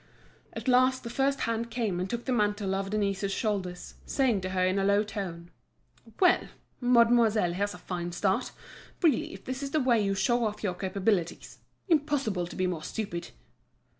At last the first hand came and took the mantle off Denise's shoulders, saying to her in a low tone: "Well! mademoiselle, here's a fine start. Really, if this is the way you show off your capabilities—Impossible to be more stupid!"